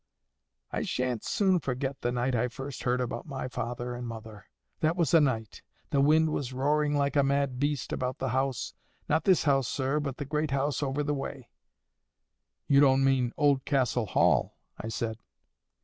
"I shan't soon forget the night I first heard about my father and mother. That was a night! The wind was roaring like a mad beast about the house;—not this house, sir, but the great house over the way." "You don't mean Oldcastle Hall?" I said.